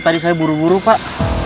tadi saya buru buru pak